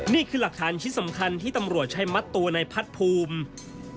นี่คือหลักฐานชิ้นสำคัญที่ตำรวจใช้มัดตัวในพัดภูมิ